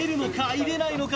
入れないのか？